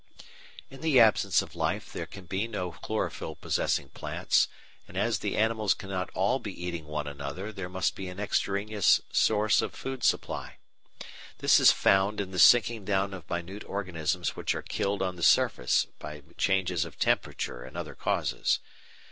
In the absence of light there can be no chlorophyll possessing plants, and as the animals cannot all be eating one another there must be an extraneous source of food supply. This is found in the sinking down of minute organisms which are killed on the surface by changes of temperature and other causes.